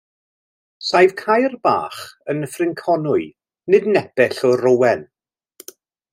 Saif Caer Bach yn Nyffryn Conwy, nid nepell o Rowen.